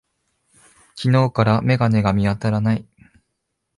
昨日から眼鏡が見当たらない。